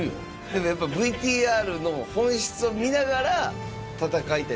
けどやっぱＶＴＲの本質を見ながら、戦いたい。